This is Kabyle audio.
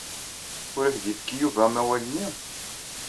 Ur ak-d-yefki Yuba amawal-nni?